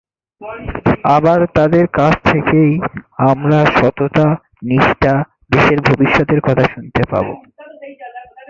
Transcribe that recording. আবার তাঁদের কাছ থেকেই আমরা সততা, নিষ্ঠা, দেশের ভবিষ্যতের কথা শুনতে পাব।